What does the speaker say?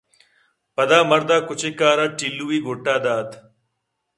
پدا مردءَ کُچّکءَرا ٹِلّوئِے گُٹّءَدات